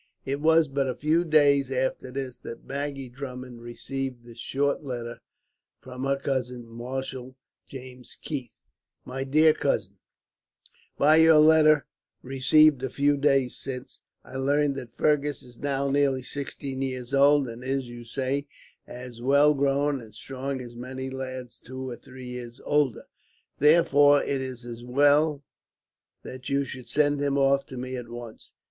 It was but a few days after this that Maggie Drummond received this short letter from her cousin, Marshal James Keith: "My dear Cousin, "By your letter, received a few days since, I learned that Fergus is now nearly sixteen years old; and is, you say, as well grown and strong as many lads two or three years older. Therefore it is as well that you should send him off to me, at once.